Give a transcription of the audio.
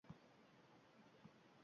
Bu daqiqalarni tasavvur ham qila olmayman